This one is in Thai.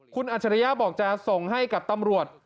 คุณอัจฉริยะบอกจะส่งให้กับตำรวจ